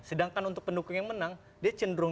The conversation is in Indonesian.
sedangkan untuk pendukung yang menang dia cenderung